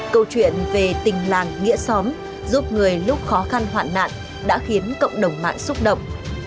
câu chuyện về tình làng nghĩa xóm giúp người lúc khó khăn hoạn nạn đã khiến cộng đồng mạng xúc động